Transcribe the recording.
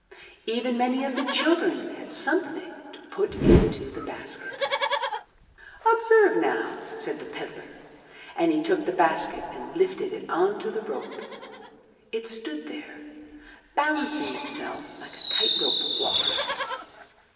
Even many of the children had some thing to put into the basket. ''Observe now," said the pedlar, and he took the basket and lifted it on to the rope. It stood there, balancing itself like a tight rope walker.